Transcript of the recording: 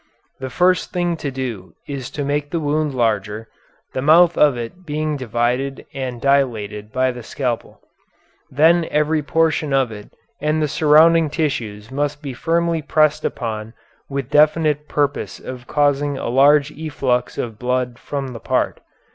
The first thing to do is to make the wound larger, the mouth of it being divided and dilated by the scalpel. Then every portion of it and the surrounding tissues must be firmly pressed upon with the definite purpose of causing a large efflux of blood from the part.